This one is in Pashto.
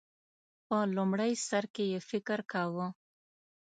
په لومړی سر کې یې فکر کاوه